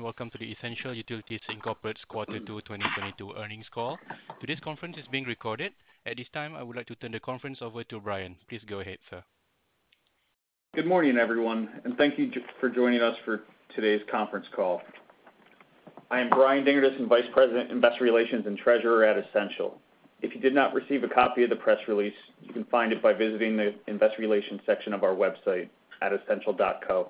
Welcome to the Essential Utilities, Inc.'s Quarter Two 2022 Earnings Call. Today's conference is being recorded. At this time, I would like to turn the conference over to Brian. Please go ahead, sir. Good morning, everyone, and thank you for joining us for today's conference call. I am Brian Dingerdissen, Vice President, Investor Relations and Treasurer at Essential Utilities. If you did not receive a copy of the press release, you can find it by visiting the investor relations section of our website at essential.co.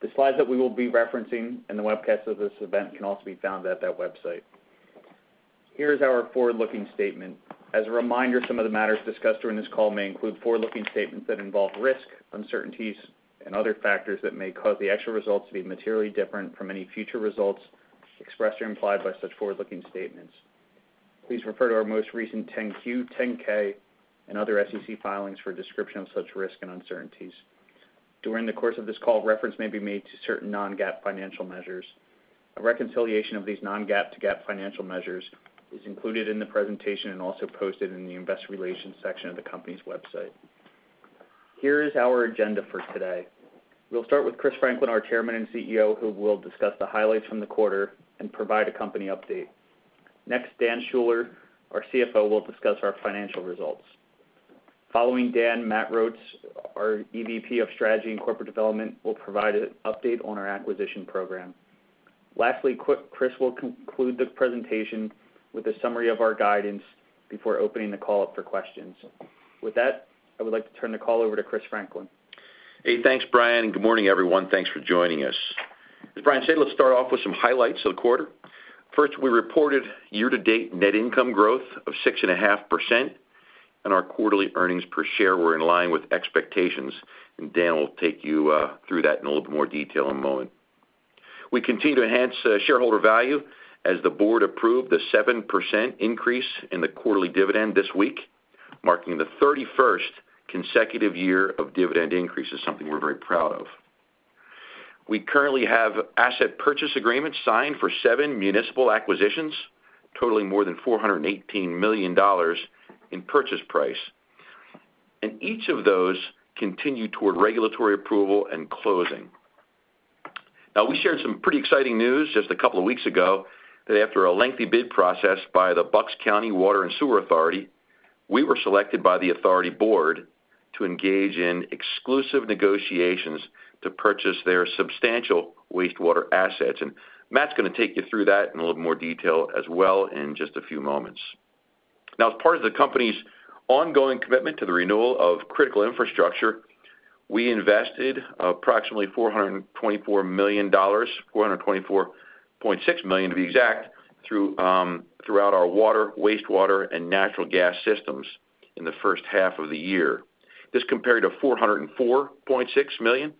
The slides that we will be referencing and the webcast of this event can also be found at that website. Here's our forward-looking statement. As a reminder, some of the matters discussed during this call may include forward-looking statements that involve risk, uncertainties, and other factors that may cause the actual results to be materially different from any future results expressed or implied by such forward-looking statements. Please refer to our most recent 10-Q, 10-K, and other SEC filings for a description of such risks and uncertainties. During the course of this call, reference may be made to certain non-GAAP financial measures. A reconciliation of these non-GAAP to GAAP financial measures is included in the presentation and also posted in the investor relations section of the company's website. Here is our agenda for today. We'll start with Chris Franklin, our Chairman and CEO, who will discuss the highlights from the quarter and provide a company update. Next, Dan Schuller, our CFO, will discuss our financial results. Following Dan, Matt Rhodes, our EVP of Strategy and Corporate Development, will provide an update on our acquisition program. Lastly, Chris will conclude the presentation with a summary of our guidance before opening the call up for questions. With that, I would like to turn the call over to Chris Franklin. Hey, thanks, Brian. Good morning, everyone. Thanks for joining us. As Brian said, let's start off with some highlights of the quarter. First, we reported year-to-date net income growth of 6.5%, and our quarterly earnings per share were in line with expectations. Dan will take you through that in a little bit more detail in a moment. We continue to enhance shareholder value as the board approved the 7% increase in the quarterly dividend this week, marking the thirty-first consecutive year of dividend increase. It's something we're very proud of. We currently have asset purchase agreements signed for 7 municipal acquisitions, totaling more than $418 million in purchase price. Each of those continue toward regulatory approval and closing. Now, we shared some pretty exciting news just a couple of weeks ago that after a lengthy bid process by the Bucks County Water & Sewer Authority, we were selected by the authority board to engage in exclusive negotiations to purchase their substantial wastewater assets. Matt's gonna take you through that in a little more detail as well in just a few moments. Now, as part of the company's ongoing commitment to the renewal of critical infrastructure, we invested approximately $424 million, $424.6 million to be exact, through throughout our water, wastewater, and natural gas systems in the first half of the year. This compared to $404.6 million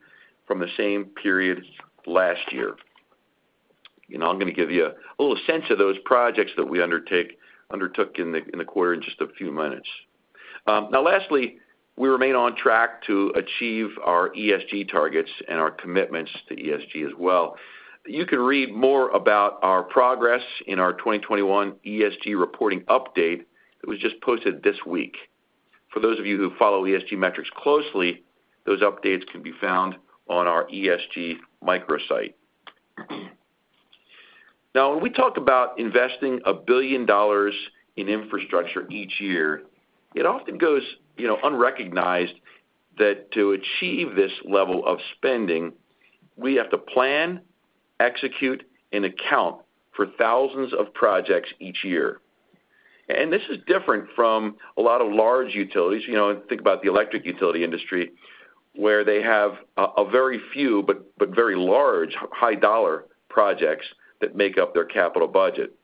from the same period last year. Now, I'm gonna give you a little sense of those projects that we undertook in the quarter in just a few minutes. Now lastly, we remain on track to achieve our ESG targets and our commitments to ESG as well. You can read more about our progress in our 2021 ESG reporting update that was just posted this week. For those of you who follow ESG metrics closely, those updates can be found on our ESG microsite. Now, when we talk about investing $1 billion in infrastructure each year, it often goes, you know, unrecognized that to achieve this level of spending, we have to plan, execute, and account for thousands of projects each year. This is different from a lot of large utilities, you know, think about the electric utility industry, where they have a very few, but very large high dollar projects that make up their capital budget.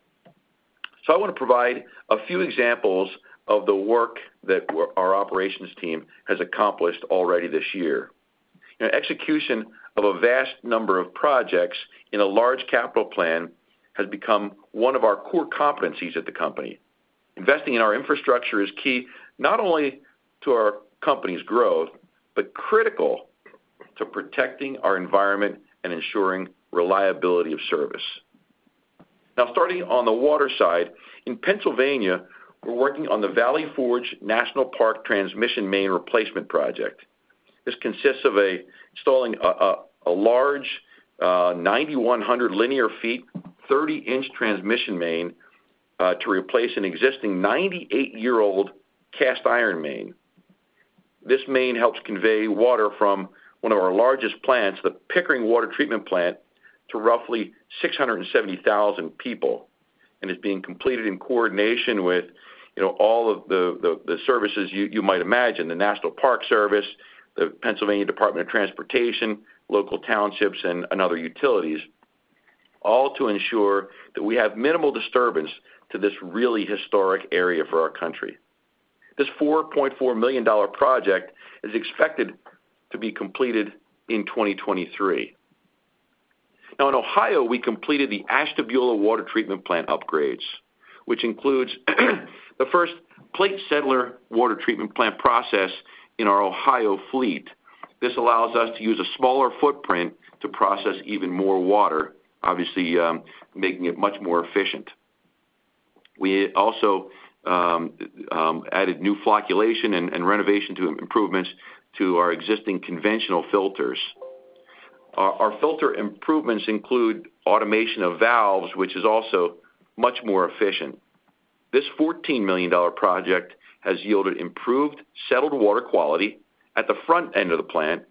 I wanna provide a few examples of the work that our operations team has accomplished already this year. You know, execution of a vast number of projects in a large capital plan has become one of our core competencies at the company. Investing in our infrastructure is key not only to our company's growth, but critical to protecting our environment and ensuring reliability of service. Now starting on the water side, in Pennsylvania, we're working on the Valley Forge National Park transmission main replacement project. This consists of installing a large 9,100 linear feet, 30-inch transmission main to replace an existing 98-year-old cast iron main. This main helps convey water from one of our largest plants, the Pickering Water Treatment Plant, to roughly 670,000 people. And is being completed in coordination with, you know, all of the services you might imagine, the National Park Service, the Pennsylvania Department of Transportation, local townships, and other utilities, all to ensure that we have minimal disturbance to this really historic area for our country. This $4.4 million project is expected to be completed in 2023. Now in Ohio, we completed the Ashtabula Water Treatment Plant upgrades, which includes the first plate settler water treatment plant process in our Ohio fleet. This allows us to use a smaller footprint to process even more water, obviously making it much more efficient. We also added new flocculation and renovation improvements to our existing conventional filters. Our filter improvements include automation of valves, which is also much more efficient. This $14 million project has yielded improved settled water quality at the front end of the plant,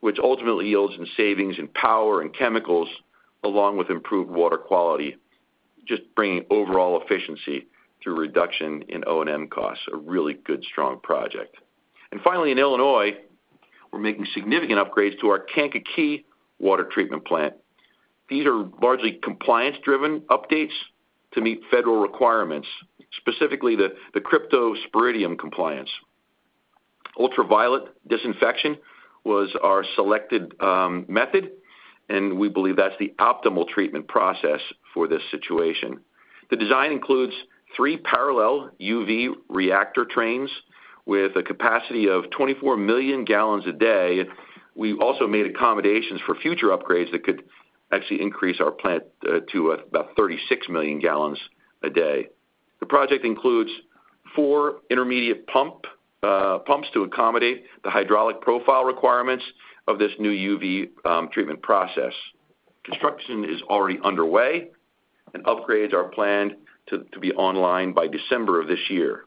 which ultimately yields in savings in power and chemicals, along with improved water quality, just bringing overall efficiency through reduction in O&M costs. A really good, strong project. Finally, in Illinois, we're making significant upgrades to our Kankakee Water Treatment Plant. These are largely compliance-driven updates to meet federal requirements, specifically the cryptosporidium compliance. Ultraviolet disinfection was our selected method, and we believe that's the optimal treatment process for this situation. The design includes three parallel UV reactor trains with a capacity of 24 million gallons a day. We also made accommodations for future upgrades that could actually increase our plant to about 36 million gallons a day. The project includes four intermediate pumps to accommodate the hydraulic profile requirements of this new UV treatment process. Construction is already underway, and upgrades are planned to be online by December of this year.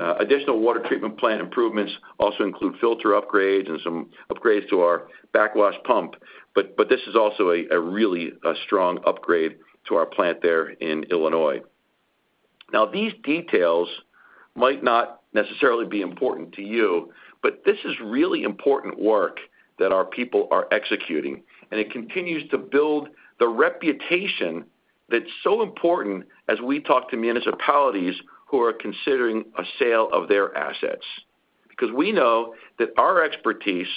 Additional water treatment plant improvements also include filter upgrades and some upgrades to our backwash pump. This is also a really strong upgrade to our plant there in Illinois. These details might not necessarily be important to you, but this is really important work that our people are executing, and it continues to build the reputation that's so important as we talk to municipalities who are considering a sale of their assets. Because we know that our expertise,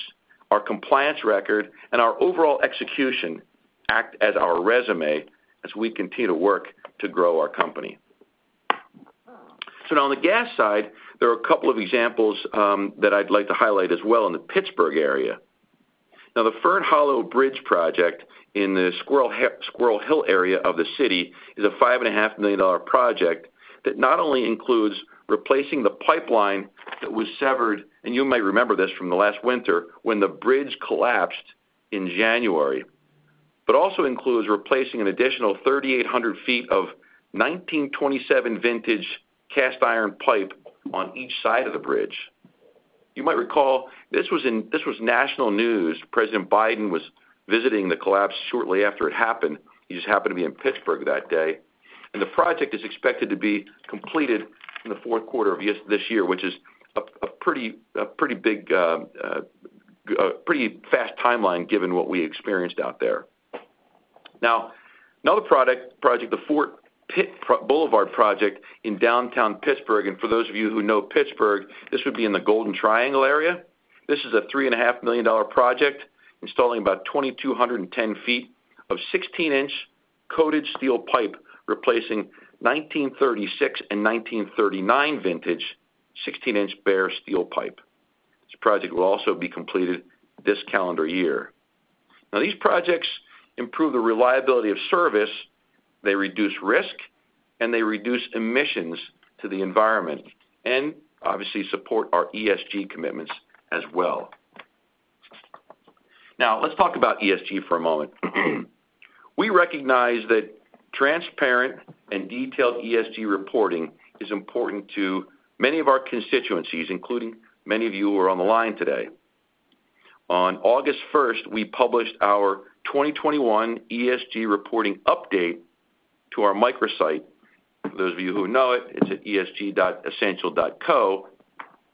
our compliance record, and our overall execution act as our resume as we continue to work to grow our company. Now on the gas side, there are a couple of examples that I'd like to highlight as well in the Pittsburgh area. The Fern Hollow Bridge project in the Squirrel Hill area of the city is a $5.5 million project that not only includes replacing the pipeline that was severed, and you may remember this from the last winter when the bridge collapsed in January. Also includes replacing an additional 3,800 feet of 1927 vintage cast iron pipe on each side of the bridge. You might recall this was national news. President Biden was visiting the collapse shortly after it happened. He just happened to be in Pittsburgh that day. The project is expected to be completed in the fourth quarter of this year, which is a pretty fast timeline given what we experienced out there. Now, another project, the Fort Pitt Boulevard project in downtown Pittsburgh, and for those of you who know Pittsburgh, this would be in the Golden Triangle area. This is a $3.5 million project, installing about 2,210 feet of 16-inch coated steel pipe, replacing 1936 and 1939 vintage 16-inch bare steel pipe. This project will also be completed this calendar year. Now, these projects improve the reliability of service, they reduce risk, and they reduce emissions to the environment and obviously support our ESG commitments as well. Now, let's talk about ESG for a moment. We recognize that transparent and detailed ESG reporting is important to many of our constituencies, including many of you who are on the line today. On August 1, we published our 2021 ESG reporting update to our microsite. For those of you who know it's at ESG.Essential.co.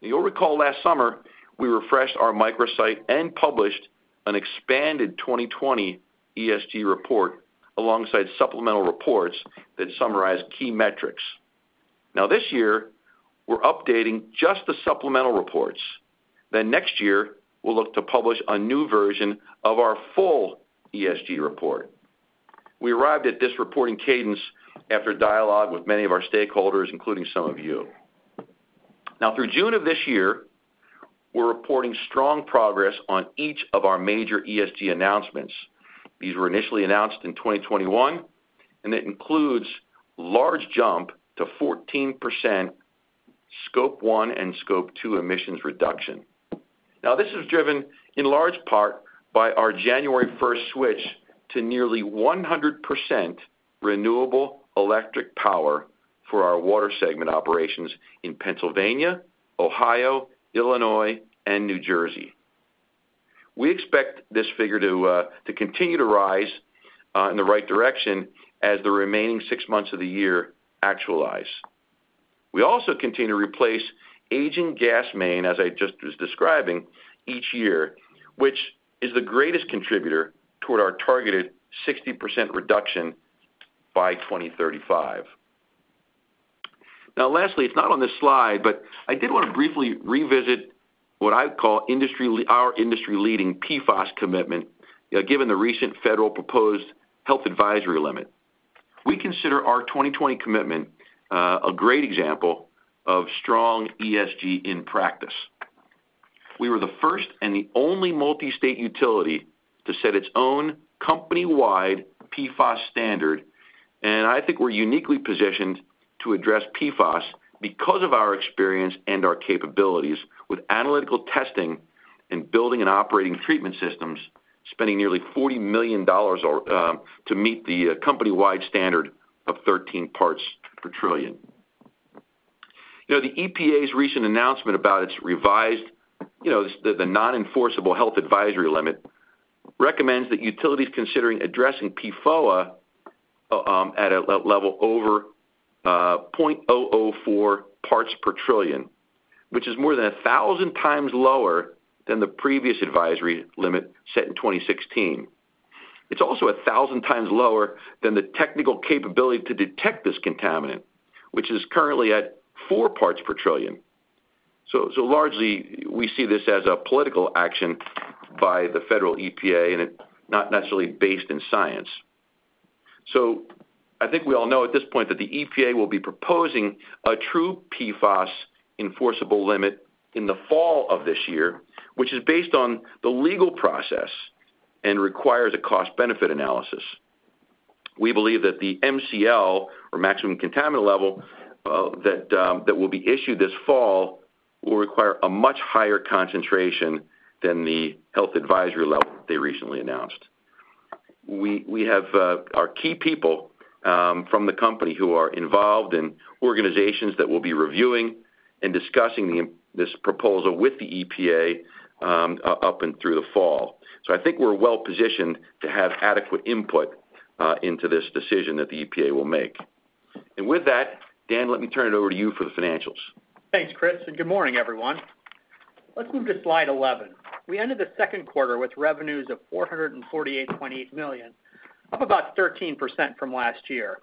You'll recall last summer, we refreshed our microsite and published an expanded 2020 ESG report alongside supplemental reports that summarize key metrics. Now this year, we're updating just the supplemental reports. Then next year, we'll look to publish a new version of our full ESG report. We arrived at this reporting cadence after dialogue with many of our stakeholders, including some of you. Now, through June of this year, we're reporting strong progress on each of our major ESG announcements. These were initially announced in 2021, and it includes large jump to 14% Scope 1 and Scope 2 emissions reduction. Now, this is driven in large part by our January 1 switch to nearly 100% renewable electric power for our water segment operations in Pennsylvania, Ohio, Illinois, and New Jersey. We expect this figure to continue to rise in the right direction as the remaining six months of the year actualize. We also continue to replace aging gas main, as I just was describing, each year, which is the greatest contributor toward our targeted 60% reduction by 2035. Now, lastly, it's not on this slide, but I did want to briefly revisit what I call our industry-leading PFAS commitment, given the recent federal proposed health advisory limit. We consider our 2020 commitment, a great example of strong ESG in practice. We were the first and the only multi-state utility to set its own company-wide PFAS standard. And I think we're uniquely positioned to address PFAS because of our experience and our capabilities with analytical testing and building and operating treatment systems, spending nearly $40 million, to meet the company-wide standard of 13 parts per trillion. You know, the EPA's recent announcement about its revised, you know, the non-enforceable health advisory limit recommends that utilities considering addressing PFOA at a level over 0.004 parts per trillion, which is more than a thousand times lower than the previous advisory limit set in 2016. It's also a thousand times lower than the technical capability to detect this contaminant, which is currently at 4 parts per trillion. Largely, we see this as a political action by the federal EPA, and it's not necessarily based in science. I think we all know at this point that the EPA will be proposing a true PFAS enforceable limit in the fall of this year, which is based on the legal process and requires a cost-benefit analysis. We believe that the MCL or maximum contaminant level that will be issued this fall will require a much higher concentration than the health advisory level they recently announced. We have our key people from the company who are involved in organizations that will be reviewing and discussing this proposal with the EPA up and through the fall. I think we're well-positioned to have adequate input into this decision that the EPA will make. With that, Dan, let me turn it over to you for the financials. Thanks, Chris, and good morning, everyone. Let's move to slide 11. We ended the second quarter with revenues of $448.8 million, up about 13% from last year.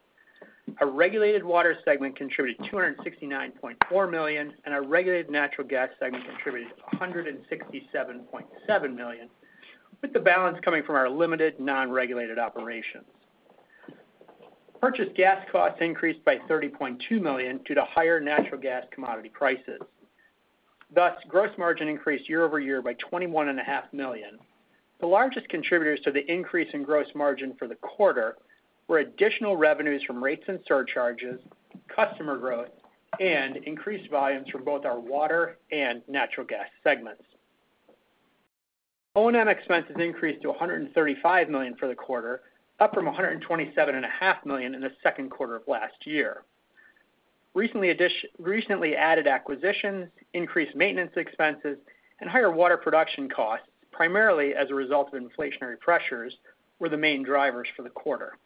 Our regulated water segment contributed $269.4 million, and our regulated natural gas segment contributed $167.7 million, with the balance coming from our limited non-regulated operations. Purchased gas costs increased by $30.2 million due to higher natural gas commodity prices. Thus, gross margin increased year-over-year by $21.5 million. The largest contributors to the increase in gross margin for the quarter were additional revenues from rates and surcharges, customer growth, and increased volumes from both our water and natural gas segments. O&M expenses increased to $135 million for the quarter, up from $127 and a half million in the second quarter of last year. Recently added acquisitions, increased maintenance expenses, and higher water production costs, primarily as a result of inflationary pressures, were the main drivers for the quarter.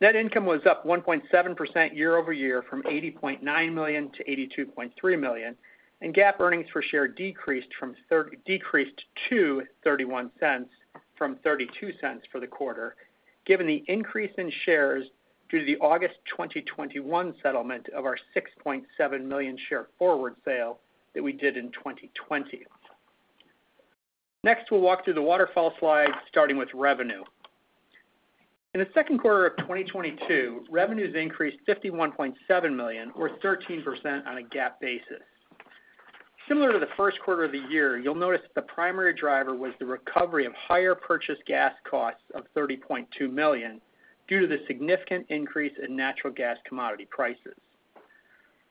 Net income was up 1.7% year-over-year from $80.9 million to $82.3 million, and GAAP earnings per share decreased to $0.31 from $0.32 for the quarter, given the increase in shares due to the August 2021 settlement of our 6.7 million share forward sale that we did in 2020. Next, we'll walk through the waterfall slide, starting with revenue. In the second quarter of 2022, revenues increased $51.7 million or 13% on a GAAP basis. Similar to the first quarter of the year, you'll notice that the primary driver was the recovery of higher purchased gas costs of $30.2 million due to the significant increase in natural gas commodity prices.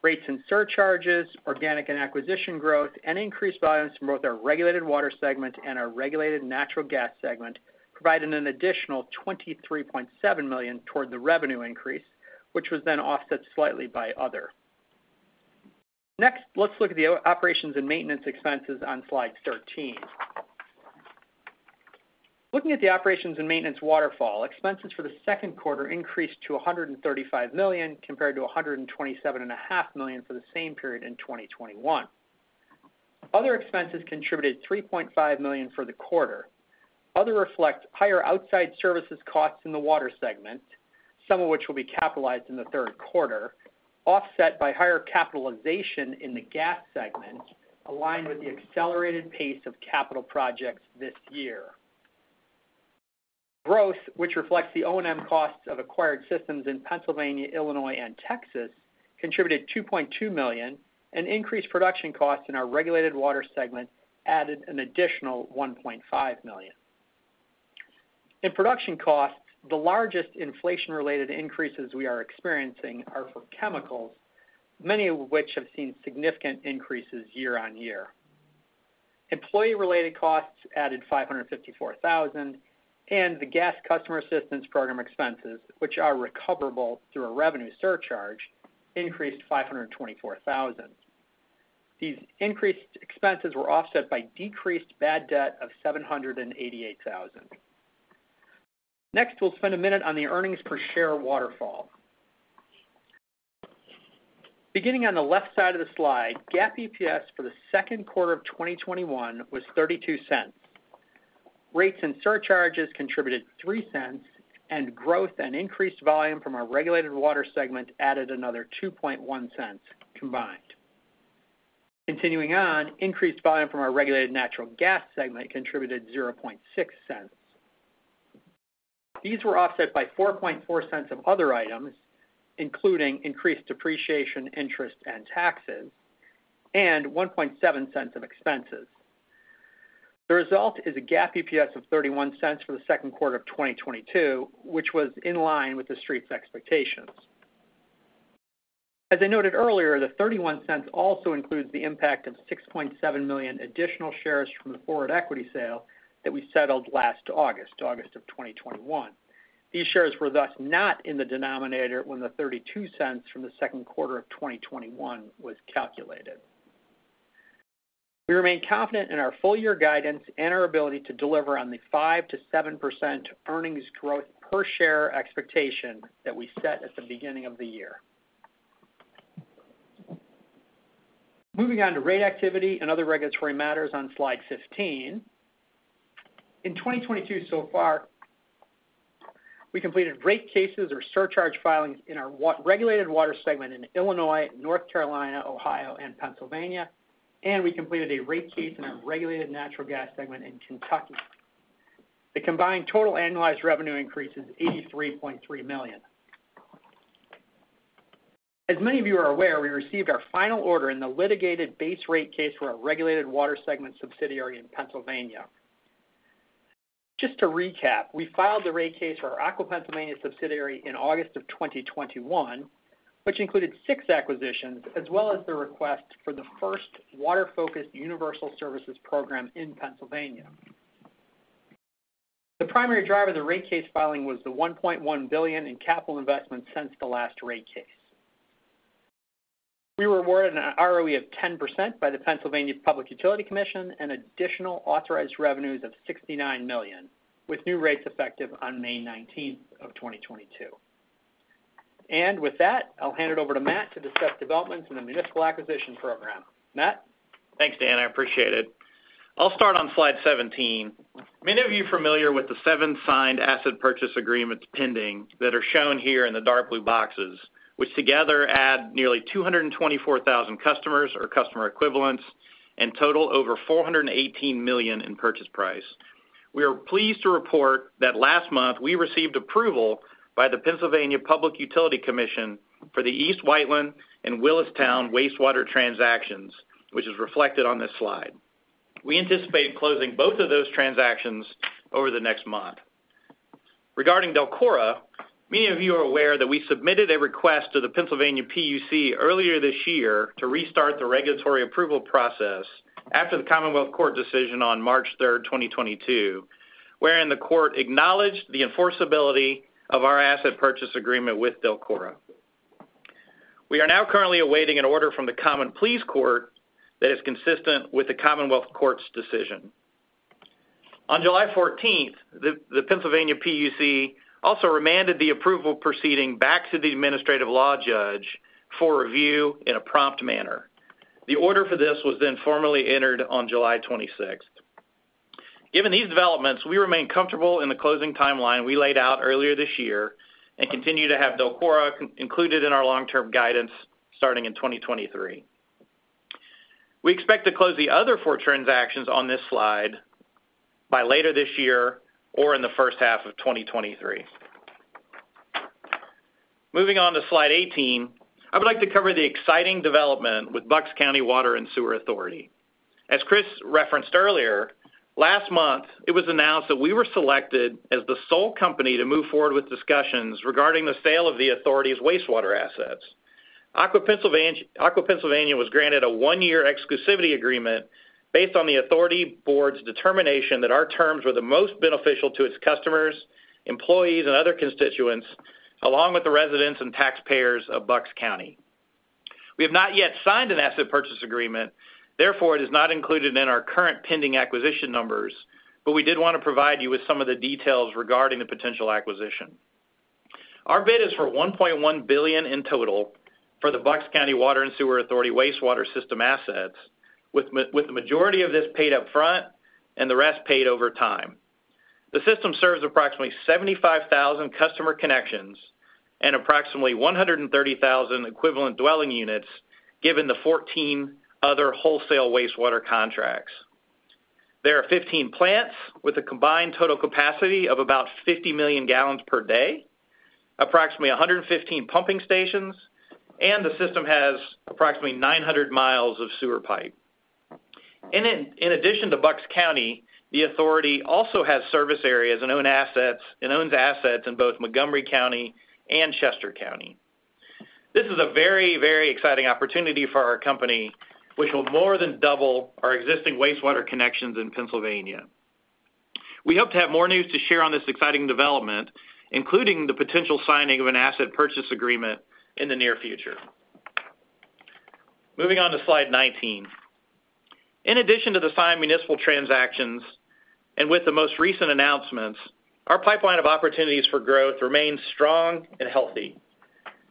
Rates and surcharges, organic and acquisition growth, and increased volumes from both our regulated water segment and our regulated natural gas segment provided an additional $23.7 million toward the revenue increase, which was then offset slightly by other. Next, let's look at the operations and maintenance expenses on slide 13. Looking at the operations and maintenance waterfall, expenses for the second quarter increased to $135 million compared to $127.5 million for the same period in 2021. Other expenses contributed $3.5 million for the quarter. Other reflect higher outside services costs in the water segment, some of which will be capitalized in the third quarter, offset by higher capitalization in the gas segment, aligned with the accelerated pace of capital projects this year. Growth, which reflects the O&M costs of acquired systems in Pennsylvania, Illinois, and Texas, contributed $2.2 million, and increased production costs in our regulated water segment added an additional $1.5 million. In production costs, the largest inflation-related increases we are experiencing are for chemicals, many of which have seen significant increases year on year. Employee-related costs added $554,000, and the Gas Customer Assistance Program expenses, which are recoverable through a revenue surcharge, increased $524,000. These increased expenses were offset by decreased bad debt of $788,000 Next, we'll spend a minute on the earnings per share waterfall. Beginning on the left side of the slide, GAAP EPS for the second quarter of 2021 was $0.32. Rates and surcharges contributed $0.03, and growth and increased volume from our regulated water segment added another $0.021 combined. Continuing on, increased volume from our regulated natural gas segment contributed $0.006. These were offset by $0.044 of other items, including increased depreciation, interest, and taxes, and $0.017 of expenses. The result is a GAAP EPS of $0.31 for the second quarter of 2022, which was in line with the street's expectations. As I noted earlier, the $0.31 also includes the impact of 6.7 million additional shares from the forward equity sale that we settled last August of 2021. These shares were thus not in the denominator when the $0.32 from the second quarter of 2021 was calculated. We remain confident in our full year guidance and our ability to deliver on the 5%-7% earnings growth per share expectation that we set at the beginning of the year. Moving on to rate activity and other regulatory matters on slide 15. In 2022 so far, we completed rate cases or surcharge filings in our regulated water segment in Illinois, North Carolina, Ohio, and Pennsylvania, and we completed a rate case in our regulated natural gas segment in Kentucky. The combined total annualized revenue increase is $83.3 million. As many of you are aware, we received our final order in the litigated base rate case for our regulated water segment subsidiary in Pennsylvania. Just to recap, we filed the rate case for our Aqua Pennsylvania subsidiary in August 2021, which included six acquisitions as well as the request for the first water-focused universal services program in Pennsylvania. The primary driver of the rate case filing was the $1.1 billion in capital investments since the last rate case. We were awarded an ROE of 10% by the Pennsylvania Public Utility Commission and additional authorized revenues of $69 million, with new rates effective on May 19, 2022. With that, I'll hand it over to Matt to discuss developments in the municipal acquisition program. Matt? Thanks, Dan. I appreciate it. I'll start on slide 17. Many of you are familiar with the 7 signed asset purchase agreements pending that are shown here in the dark blue boxes, which together add nearly 224,000 customers or customer equivalents and total over $418 million in purchase price. We are pleased to report that last month we received approval by the Pennsylvania Public Utility Commission for the East Whiteland and Willistown wastewater transactions, which is reflected on this slide. We anticipate closing both of those transactions over the next month. Regarding DELCORA, many of you are aware that we submitted a request to the Pennsylvania PUC earlier this year to restart the regulatory approval process after the Commonwealth Court decision on March 3, 2022, wherein the court acknowledged the enforceability of our asset purchase agreement with DELCORA. We are now currently awaiting an order from the Court of Common Pleas that is consistent with the Commonwealth Court of Pennsylvania's decision. On July 14, Pennsylvania PUC also remanded the approval proceeding back to the administrative law judge for review in a prompt manner. The order for this was then formally entered on July 26. Given these developments, we remain comfortable in the closing timeline we laid out earlier this year and continue to have DELCORA included in our long-term guidance starting in 2023. We expect to close the other four transactions on this slide by later this year or in the first half of 2023. Moving on to slide 18, I would like to cover the exciting development with Bucks County Water & Sewer Authority. As Chris referenced earlier, last month it was announced that we were selected as the sole company to move forward with discussions regarding the sale of the authority's wastewater assets. Aqua Pennsylvania was granted a one-year exclusivity agreement based on the authority board's determination that our terms were the most beneficial to its customers, employees, and other constituents, along with the residents and taxpayers of Bucks County. We have not yet signed an asset purchase agreement, therefore it is not included in our current pending acquisition numbers, but we did wanna provide you with some of the details regarding the potential acquisition. Our bid is for $1.1 billion in total for the Bucks County Water & Sewer Authority wastewater system assets, with the majority of this paid up front and the rest paid over time. The system serves approximately 75,000 customer connections and approximately 130,000 equivalent dwelling units, given the 14 other wholesale wastewater contracts. There are 15 plants with a combined total capacity of about 50 million gallons per day, approximately 115 pumping stations, and the system has approximately 900 miles of sewer pipe. In addition to Bucks County, the authority also has service areas and owns assets in both Montgomery County and Chester County. This is a very, very exciting opportunity for our company, which will more than double our existing wastewater connections in Pennsylvania. We hope to have more news to share on this exciting development, including the potential signing of an asset purchase agreement in the near future. Moving on to slide 19. In addition to the signed municipal transactions, and with the most recent announcements, our pipeline of opportunities for growth remains strong and healthy.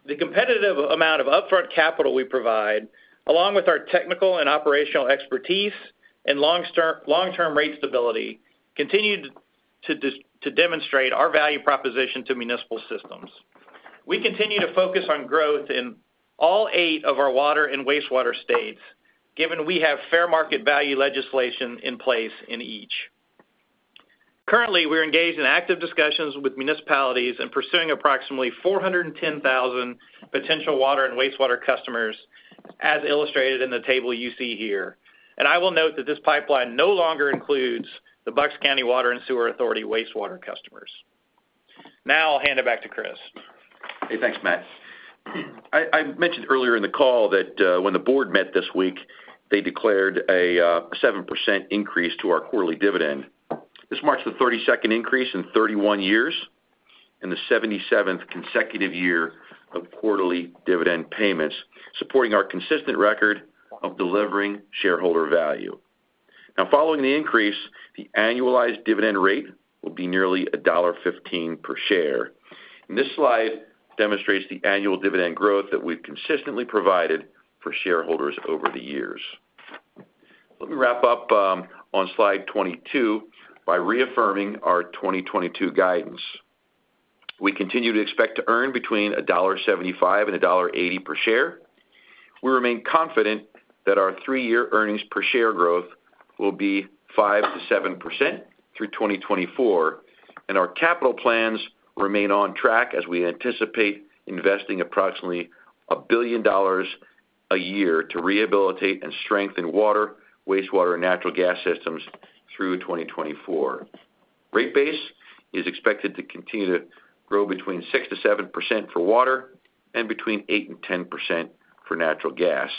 The competitive amount of upfront capital we provide, along with our technical and operational expertise and long-term rate stability, continued to demonstrate our value proposition to municipal systems. We continue to focus on growth in all eight of our water and wastewater states, given we have Fair Market Value legislation in place in each. Currently, we're engaged in active discussions with municipalities and pursuing approximately 410,000 potential water and wastewater customers as illustrated in the table you see here. I will note that this pipeline no longer includes the Bucks County Water and Sewer Authority wastewater customers. Now, I'll hand it back to Chris. Hey, thanks, Matt. I mentioned earlier in the call that when the board met this week, they declared a 7% increase to our quarterly dividend. This marks the 32nd increase in 31 years and the 77th consecutive year of quarterly dividend payments, supporting our consistent record of delivering shareholder value. Now, following the increase, the annualized dividend rate will be nearly $1.15 per share. This slide demonstrates the annual dividend growth that we've consistently provided for shareholders over the years. Let me wrap up on slide 22 by reaffirming our 2022 guidance. We continue to expect to earn between $1.75 and $1.80 per share. We remain confident that our three-year earnings per share growth will be 5%-7% through 2024, and our capital plans remain on track as we anticipate investing approximately $1 billion a year to rehabilitate and strengthen water, wastewater, and natural gas systems through 2024. Rate base is expected to continue to grow 6%-7% for water and 8%-10% for natural gas.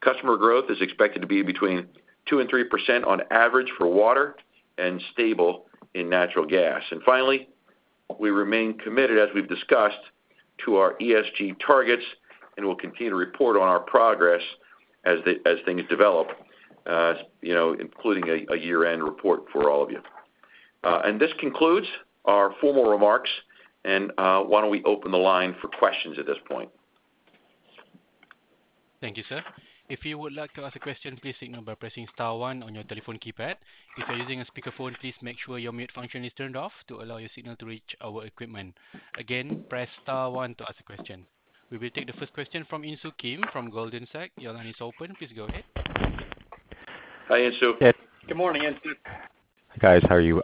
Customer growth is expected to be 2%-3% on average for water and stable in natural gas. Finally, we remain committed, as we've discussed, to our ESG targets and will continue to report on our progress as things develop, you know, including a year-end report for all of you. This concludes our formal remarks, and why don't we open the line for questions at this point? Thank you, sir. If you would like to ask a question, please signal by pressing star one on your telephone keypad. If you're using a speakerphone, please make sure your mute function is turned off to allow your signal to reach our equipment. Again, press star one to ask a question. We will take the first question from Insoo Kim from Goldman Sachs. Your line is open. Please go ahead. Hi, Insoo. Good morning, Insoo. Guys, how are you?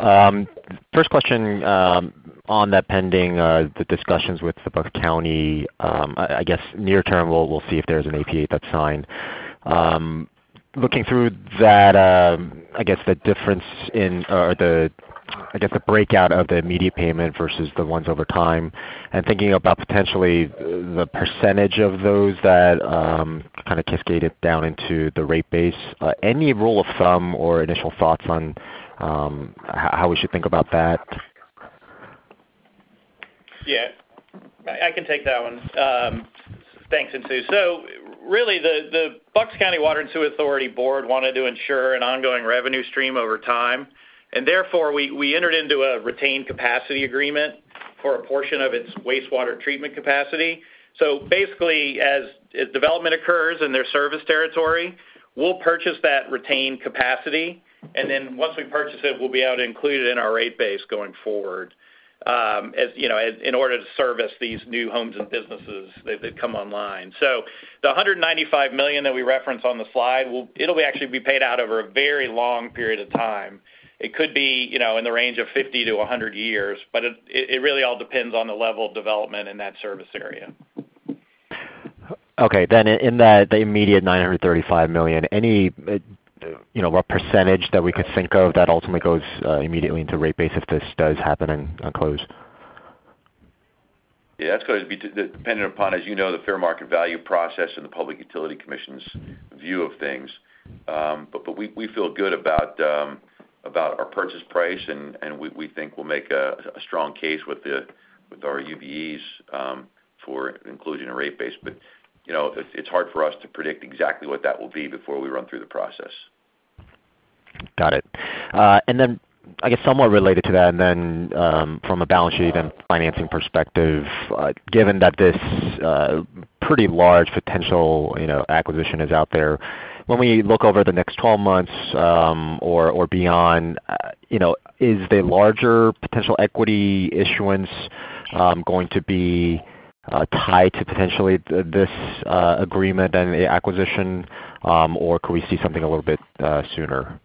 First question, on that pending the discussions with the Bucks County, I guess near term, we'll see if there's an APA that's signed. Looking through that, I guess the breakout of the immediate payment versus the ones over time and thinking about potentially the percentage of those that kind of cascaded down into the rate base, any rule of thumb or initial thoughts on how we should think about that? Yeah. I can take that one. Thanks, Insoo. Really, the Bucks County Water & Sewer Authority Board wanted to ensure an ongoing revenue stream over time, and therefore, we entered into a retained capacity agreement for a portion of its wastewater treatment capacity. Basically, as development occurs in their service territory, we'll purchase that retained capacity, and then once we purchase it, we'll be able to include it in our rate base going forward, as you know, in order to service these new homes and businesses that come online. The $195 million that we referenced on the slide will actually be paid out over a very long period of time. It could be, you know, in the range of 50 to 100 years, but it really all depends on the level of development in that service area. In that, the immediate $935 million, any, you know, what percentage that we could think of that ultimately goes immediately into rate base if this does happen and close? Yeah. That's gonna be dependent upon, as you know, the Fair Market Value process and the Public Utility Commission's view of things. We feel good about our purchase price, and we think we'll make a strong case with our UBEs for inclusion and rate base. You know, it's hard for us to predict exactly what that will be before we run through the process. Got it. I guess somewhat related to that, from a balance sheet and financing perspective, given that this pretty large potential, you know, acquisition is out there, when we look over the next 12 months, or beyond, you know, is the larger potential equity issuance going to be tied to potentially this agreement and the acquisition, or could we see something a little bit sooner?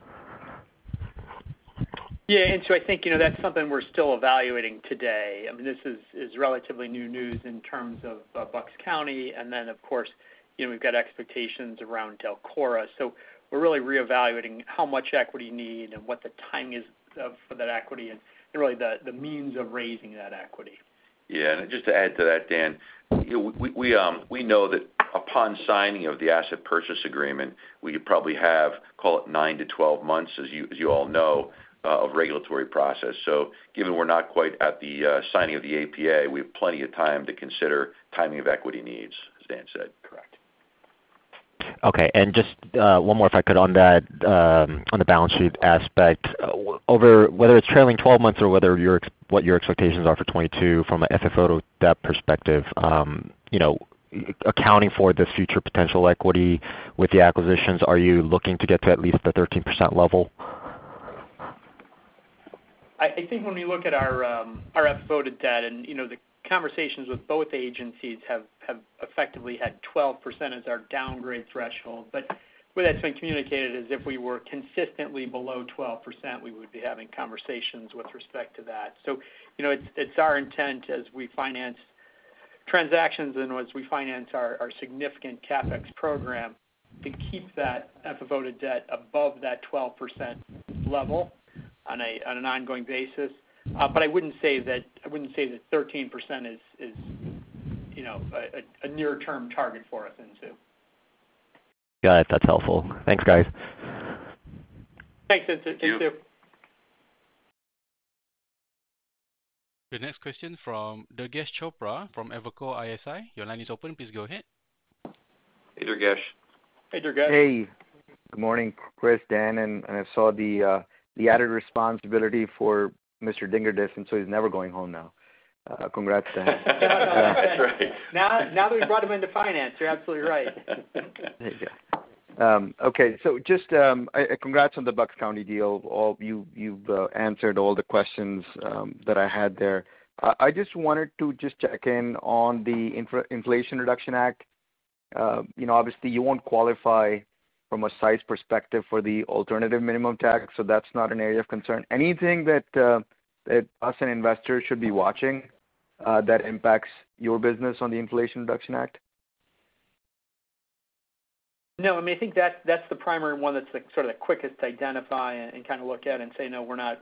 Yeah. I think, you know, that's something we're still evaluating today. I mean, this is relatively new news in terms of Bucks County, and then of course, you know, we've got expectations around DELCORA. We're really reevaluating how much equity need and what the timing is of, for that equity and really the means of raising that equity. Yeah. Just to add to that, Dan, you know, we know that upon signing of the asset purchase agreement, we probably have, call it 9-12 months, as you all know, of regulatory process. Given we're not quite at the signing of the APA, we have plenty of time to consider timing of equity needs, as Dan said. Correct. Okay. Just one more, if I could, on that, on the balance sheet aspect. Over whether it's trailing twelve months or whether your expectations are for 2022 from a FFO to debt perspective, you know, accounting for the future potential equity with the acquisitions, are you looking to get to at least the 13% level? I think when we look at our FFO to debt and, you know, the conversations with both agencies have effectively had 12% as our downgrade threshold. The way that's been communicated is if we were consistently below 12%, we would be having conversations with respect to that. You know, it's our intent as we finance transactions and once we finance our significant CapEx program to keep that FFO to debt above that 12% level on an ongoing basis. I wouldn't say that 13% is, you know, a near-term target for us into. Got it. That's helpful. Thanks, guys. Thanks, Insoo. Thank you. The next question from Durgesh Chopra from Evercore ISI. Your line is open. Please go ahead. Hey, Durgesh. Hey. Good morning, Chris, Dan, and I saw the added responsibility for Mr. Dingerdissen, so he's never going home now. Congrats, Dan. That's right. Now that we've brought him into finance, you're absolutely right. There you go. Okay, so just congrats on the Bucks County deal. All you've answered all the questions that I had there. I just wanted to just check in on the Inflation Reduction Act. You know, obviously you won't qualify from a size perspective for the alternative minimum tax, so that's not an area of concern. Anything that us and investors should be watching that impacts your business on the Inflation Reduction Act? No. I mean, I think that's the primary one that's like sort of the quickest to identify and kind of look at and say, "No, we're not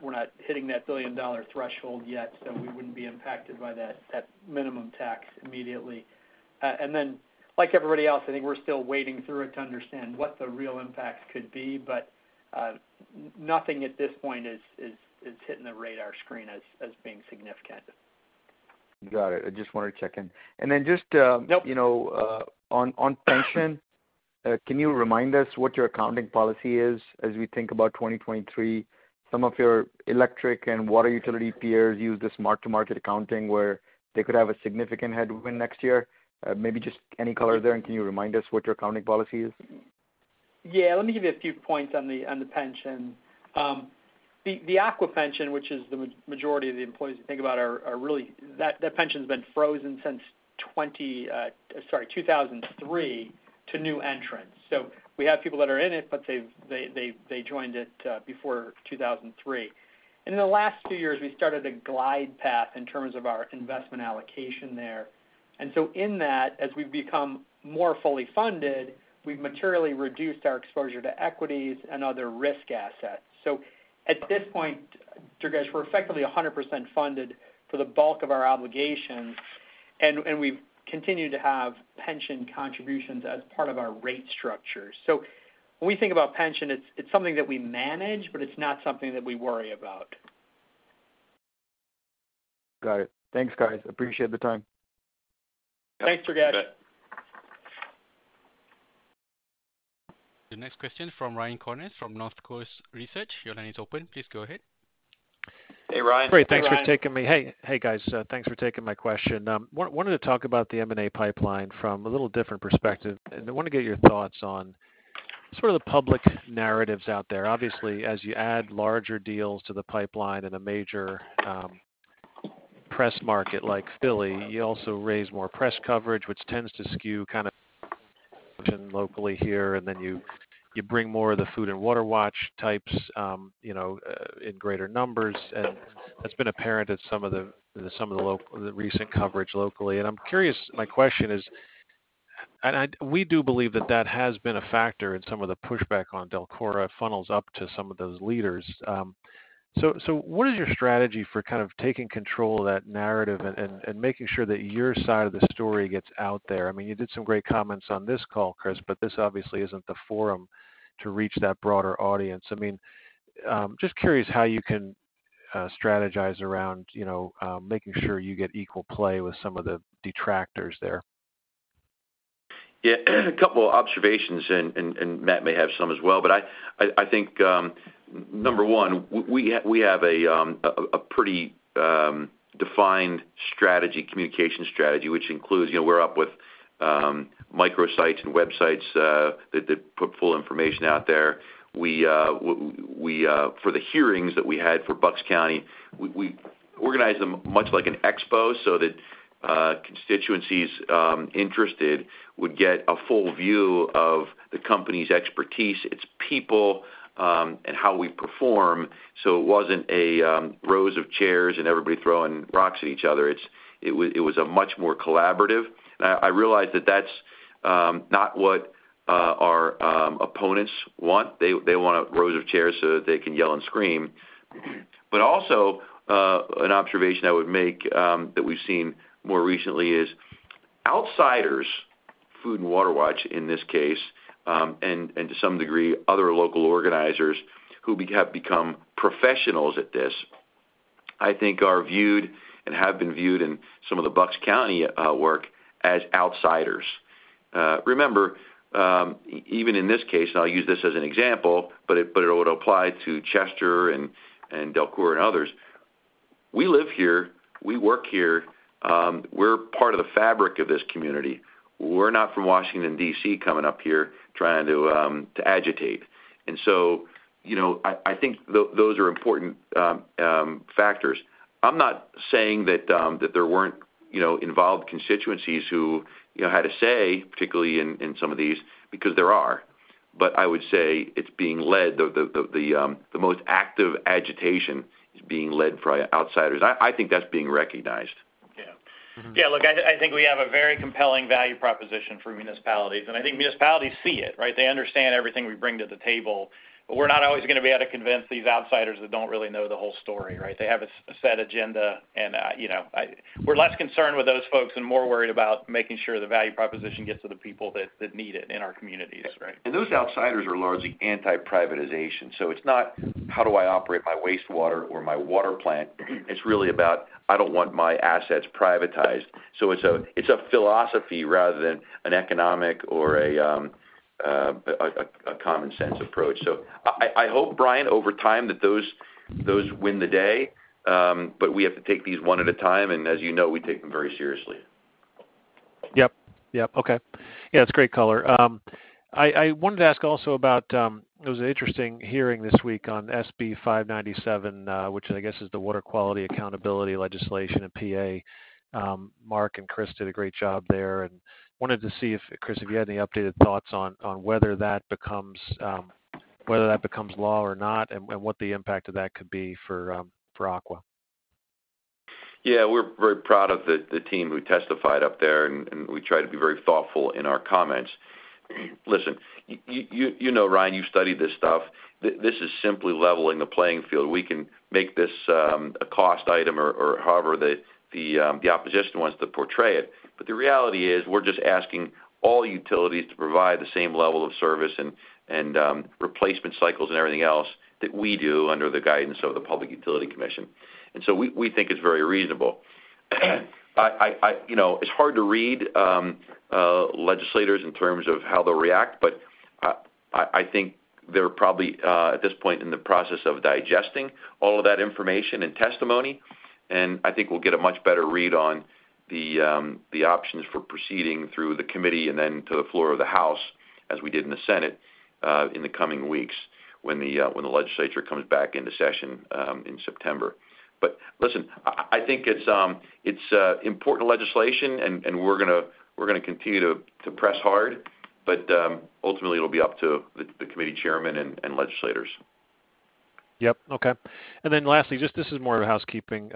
hitting that billion-dollar threshold yet, so we wouldn't be impacted by that minimum tax immediately." Like everybody else, I think we're still wading through it to understand what the real impacts could be. Nothing at this point is hitting the radar screen as being significant. Got it. I just wanted to check in. Yep You know, on pension, can you remind us what your accounting policy is as we think about 2023? Some of your electric and water utility peers use this mark-to-market accounting, where they could have a significant headwind next year. Maybe just any color there, and can you remind us what your accounting policy is? Yeah. Let me give you a few points on the pension. The Aqua pension, which is the majority of the employees you think about. That pension's been frozen since 2003 to new entrants. We have people that are in it, but they joined it before 2003. In the last few years, we started a glide path in terms of our investment allocation there. In that, as we've become more fully funded, we've materially reduced our exposure to equities and other risk assets. At this point, Durgesh, we're effectively 100% funded for the bulk of our obligations, and we've continued to have pension contributions as part of our rate structure. When we think about pension, it's something that we manage, but it's not something that we worry about. Got it. Thanks, guys. Appreciate the time. Thanks, Durgesh. The next question from Ryan Connors from Northcoast Research. Your line is open. Please go ahead. Hey, Ryan. Great. Thanks for taking me. Hey, guys, thanks for taking my question. Wanted to talk about the M&A pipeline from a little different perspective, and I wanna get your thoughts on sort of the public narratives out there. Obviously, as you add larger deals to the pipeline in a major press market like Philly, you also raise more press coverage, which tends to skew kind of locally here, and then you bring more of the Food & Water Watch types, you know, in greater numbers. And that's been apparent at some of the local, the recent coverage locally. I'm curious, my question is. We do believe that that has been a factor in some of the pushback on DELCORA funnels up to some of those leaders. What is your strategy for kind of taking control of that narrative and making sure that your side of the story gets out there? I mean, you did some great comments on this call, Chris, but this obviously isn't the forum to reach that broader audience. I mean, just curious how you can strategize around, you know, making sure you get equal play with some of the detractors there. Yeah. A couple of observations, and Matt may have some as well, but I think, number one, we have a pretty defined strategy, communication strategy, which includes, you know, we're up with microsites and websites that put full information out there. For the hearings that we had for Bucks County, we organized them much like an expo so that constituencies interested would get a full view of the company's expertise, its people, and how we perform. It wasn't rows of chairs and everybody throwing rocks at each other. It was a much more collaborative. I realize that that's not what our opponents want. They want rows of chairs so that they can yell and scream. Also, an observation I would make that we've seen more recently is outsiders, Food & Water Watch in this case, and to some degree, other local organizers who have become professionals at this, I think are viewed and have been viewed in some of the Bucks County work as outsiders. Remember, even in this case, and I'll use this as an example, but it would apply to Chester and DELCORA and others. We live here, we work here, we're part of the fabric of this community. We're not from Washington, D.C., coming up here trying to agitate. You know, I think those are important factors. I'm not saying that there weren't, you know, involved constituencies who, you know, had a say, particularly in some of these, because there are. I would say the most active agitation is being led by outsiders. I think that's being recognized. Yeah. Look, I think we have a very compelling value proposition for municipalities, and I think municipalities see it, right? They understand everything we bring to the table, but we're not always gonna be able to convince these outsiders that don't really know the whole story, right? They have a set agenda and, you know. We're less concerned with those folks and more worried about making sure the value proposition gets to the people that need it in our communities, right? Those outsiders are largely anti-privatization. It's not, how do I operate my wastewater or my water plant? It's really about, I don't want my assets privatized. It's a philosophy rather than an economic or a common sense approach. I hope, Ryan, over time, that those win the day, but we have to take these one at a time, and as you know, we take them very seriously. Yeah, it's great color. I wanted to ask also about. It was an interesting hearing this week on SB 597, which I guess is the Water Quality Accountability legislation in PA. Mark and Chris did a great job there, and wanted to see if, Chris, if you had any updated thoughts on whether that becomes law or not, and what the impact of that could be for Aqua. Yeah. We're very proud of the team who testified up there, and we try to be very thoughtful in our comments. Listen, you know, Ryan, you've studied this stuff. This is simply leveling the playing field. We can make this a cost item or however the opposition wants to portray it. But the reality is, we're just asking all utilities to provide the same level of service and replacement cycles and everything else that we do under the guidance of the Public Utility Commission. We think it's very reasonable. You know, it's hard to read legislators in terms of how they'll react, but I think they're probably at this point in the process of digesting all of that information and testimony, and I think we'll get a much better read on the options for proceeding through the committee and then to the floor of the House, as we did in the Senate, in the coming weeks when the legislature comes back into session in September. Listen, I think it's important legislation and we're gonna continue to press hard. Ultimately, it'll be up to the committee chairman and legislators. Yep. Okay. Lastly, just this is more of a housekeeping.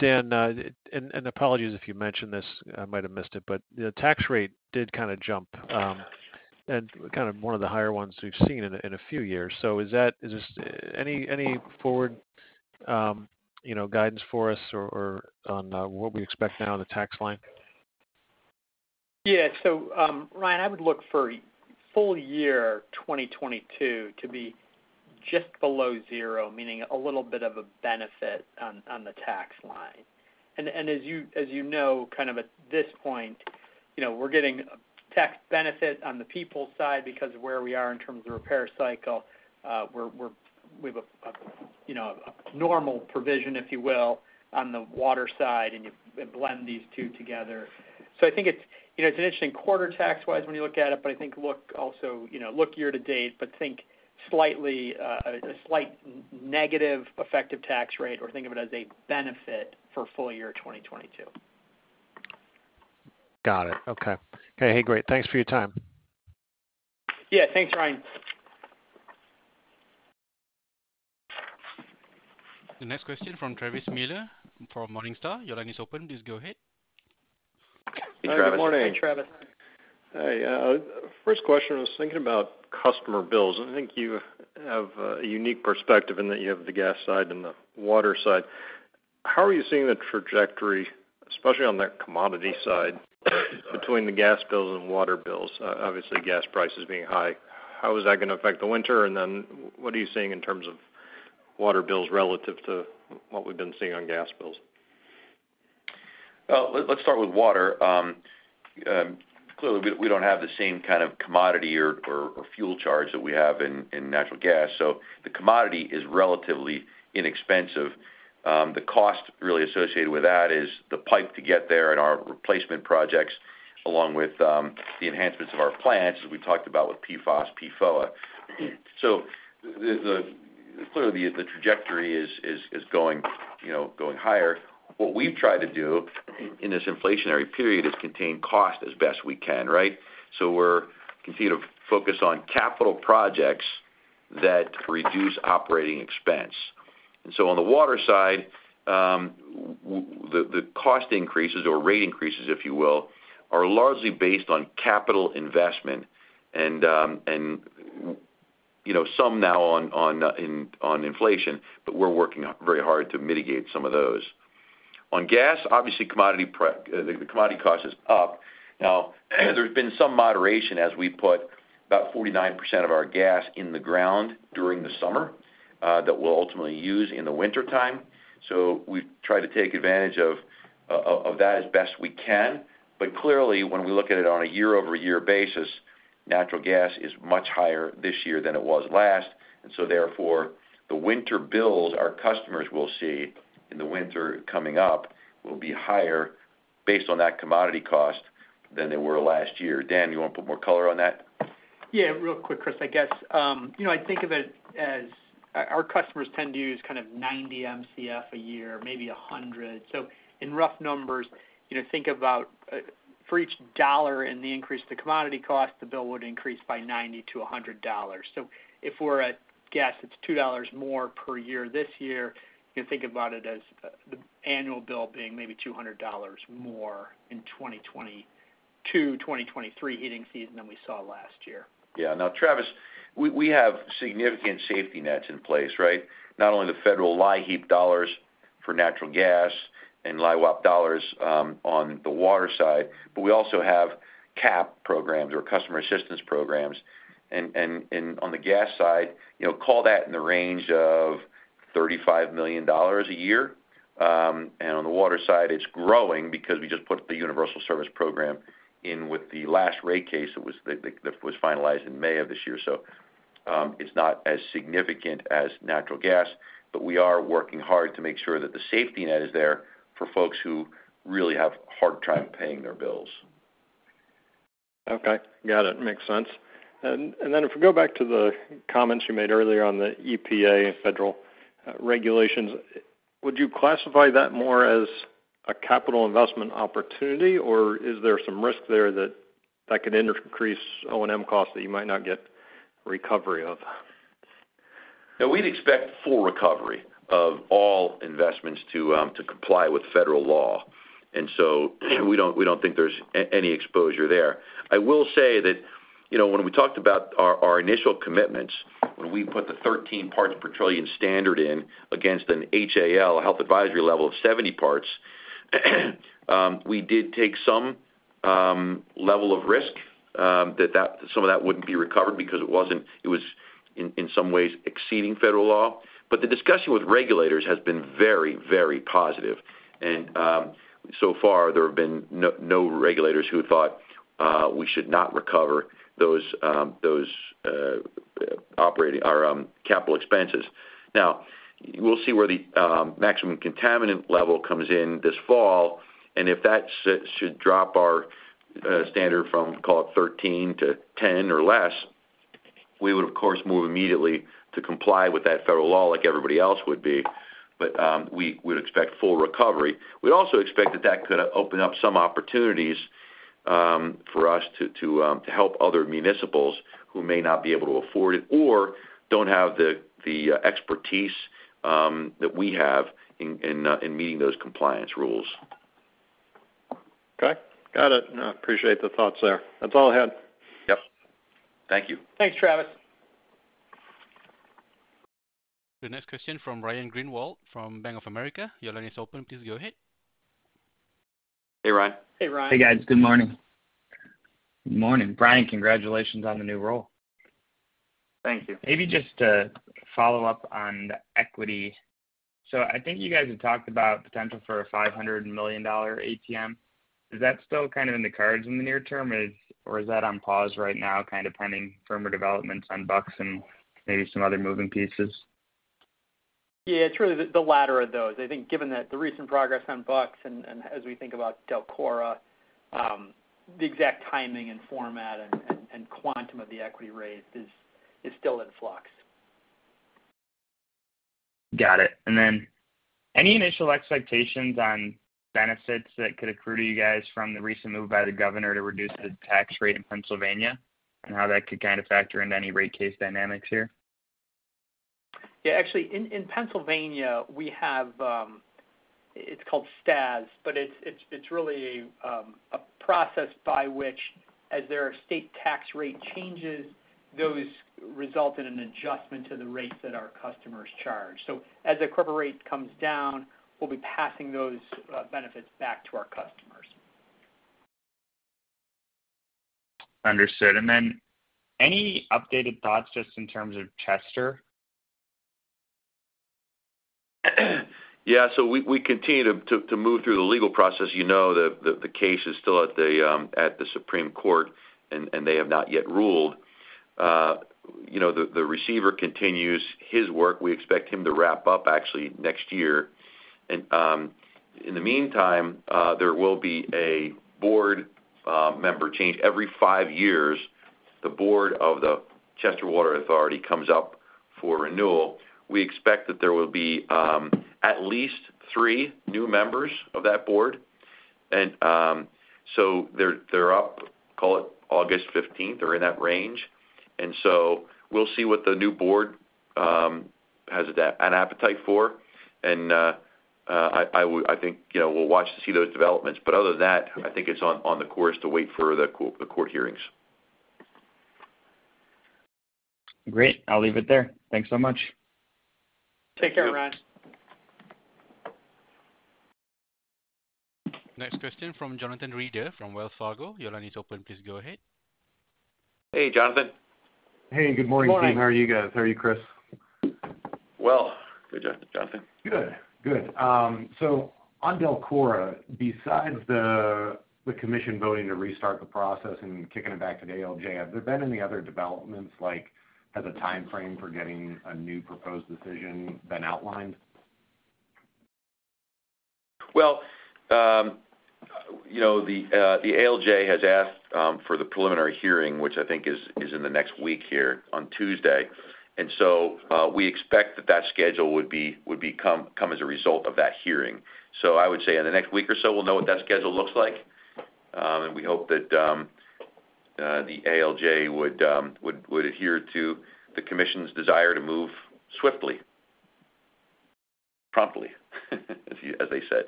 Dan, and apologies if you mentioned this, I might have missed it, but the tax rate did kind of jump, and kind of more of the higher ones we've seen in a few years. Is this any forward guidance for us or on what we expect now on the tax line? Yeah. Ryan, I would look for full year 2022 to be just below zero, meaning a little bit of a benefit on the tax line. As you know, kind of at this point, you know, we're getting a tax benefit on the Peoples side because of where we are in terms of repair cycle. We have a normal provision, if you will, on the water side, and you blend these two together. I think it's, you know, it's an interesting quarter tax-wise when you look at it, but I think look also, you know, look year to date, but think slightly, a slight negative effective tax rate, or think of it as a benefit for full year 2022. Got it. Okay. Hey, great. Thanks for your time. Yeah. Thanks, Ryan. The next question from Travis Miller from Morningstar. Your line is open. Please go ahead. Hey, Travis. Good morning, Travis. Hey. First question, I was thinking about customer bills. I think you have a unique perspective in that you have the gas side and the water side. How are you seeing the trajectory, especially on that commodity side, between the gas bills and water bills? Obviously, gas prices being high. How is that gonna affect the winter? And then what are you seeing in terms of water bills relative to what we've been seeing on gas bills? Well, let's start with water. Clearly, we don't have the same kind of commodity or fuel charge that we have in natural gas. The commodity is relatively inexpensive. The cost really associated with that is the pipe to get there and our replacement projects, along with the enhancements of our plants, as we talked about with PFOS, PFOA. Clearly, the trajectory is going, you know, going higher. What we've tried to do in this inflationary period is contain cost as best we can, right? We're continue to focus on capital projects that reduce operating expense. On the water side, the cost increases or rate increases, if you will, are largely based on capital investment and, you know, some now on inflation, but we're working very hard to mitigate some of those. On gas, obviously, the commodity cost is up. Now, there's been some moderation as we put about 49% of our gas in the ground during the summer, that we'll ultimately use in the wintertime. We try to take advantage of that as best we can. But clearly, when we look at it on a year-over-year basis, natural gas is much higher this year than it was last. Therefore, the winter bills our customers will see in the winter coming up will be higher based on that commodity cost than they were last year. Dan, you wanna put more color on that? Yeah, real quick, Chris, I guess, you know, I think of it as our customers tend to use kind of 90 MCF a year, maybe 100. In rough numbers, you know, think about for each dollar in the increase, the commodity cost, the bill would increase by $90-$100. If we're at, it's $2 more per year this year, you can think about it as the annual bill being maybe $200 more in 2022-2023 heating season than we saw last year. Yeah. Now, Travis, we have significant safety nets in place, right? Not only the federal LIHEAP dollars for natural gas and LIHWAP dollars on the water side, but we also have CAP programs or customer assistance programs. On the gas side, you know, call that in the range of $35 million a year. On the water side, it's growing because we just put the universal service program in with the last rate case. It was that was finalized in May of this year. It's not as significant as natural gas, but we are working hard to make sure that the safety net is there for folks who really have a hard time paying their bills. Okay. Got it. Makes sense. If we go back to the comments you made earlier on the EPA federal regulations, would you classify that more as a capital investment opportunity, or is there some risk there that that can increase O&M costs that you might not get recovery of? No, we'd expect full recovery of all investments to comply with federal law. We don't think there's any exposure there. I will say that, you know, when we talked about our initial commitments, when we put the 13 parts per trillion standard in against an HAL, Health Advisory Level, of 70 parts, we did take some level of risk that some of that wouldn't be recovered because it was in some ways exceeding federal law. The discussion with regulators has been very positive. So far there have been no regulators who had thought we should not recover those operating or capital expenses. Now, we'll see where the maximum contaminant level comes in this fall, and if that should drop our standard from, call it 13-10 or less, we would of course move immediately to comply with that federal law like everybody else would be. We would expect full recovery. We also expect that that could open up some opportunities for us to help other municipals who may not be able to afford it or don't have the expertise that we have in meeting those compliance rules. Okay. Got it. No, appreciate the thoughts there. That's all I had. Yep. Thank you. Thanks, Travis. The next question from Ryan Greenwald from Bank of America. Your line is open. Please go ahead. Hey, Ryan. Hey, Ryan. Hey, guys. Good morning. Good morning. Brian, congratulations on the new role. Thank you. Maybe just to follow up on the equity. I think you guys have talked about potential for a $500 million ATM. Is that still kind of in the cards in the near term, or is that on pause right now, kind of pending firmer developments on Bucks and maybe some other moving pieces? Yeah, it's really the latter of those. I think given that the recent progress on Bucks and as we think about DELCORA, the exact timing and format and quantum of the equity raise is still in flux. Got it. Any initial expectations on benefits that could accrue to you guys from the recent move by the governor to reduce the tax rate in Pennsylvania and how that could kind of factor into any rate case dynamics here? Yeah, actually, in Pennsylvania, we have it's called STAS, but it's really a process by which as their state tax rate changes, those result in an adjustment to the rates that our customers charge. As the corporate rate comes down, we'll be passing those benefits back to our customers. Understood. Any updated thoughts just in terms of Chester? Yeah. We continue to move through the legal process. You know, the case is still at the Supreme Court, and they have not yet ruled. You know, the receiver continues his work. We expect him to wrap up actually next year. In the meantime, there will be a board member change. Every five years, the board of the Chester Water Authority comes up for renewal. We expect that there will be at least three new members of that board. They're up, call it August 15 or in that range. We'll see what the new board has an appetite for. I think, you know, we'll watch to see those developments. Other than that, I think it's on course to wait for the court hearings. Great. I'll leave it there. Thanks so much. Take care, Ryan. Next question from Jonathan Reeder from Wells Fargo. Your line is open. Please go ahead. Hey, Jonathan. Hey, good morning, team. Good morning. How are you guys? How are you, Chris? Well, good, Jonathan. Good, good. On DELCORA, besides the commission voting to restart the process and kicking it back to the ALJ, have there been any other developments, like has a timeframe for getting a new proposed decision been outlined? Well, you know, the ALJ has asked for the preliminary hearing, which I think is in the next week here on Tuesday. We expect that schedule would come as a result of that hearing. I would say in the next week or so, we'll know what that schedule looks like. We hope that the ALJ would adhere to the commission's desire to move swiftly, promptly, as they said.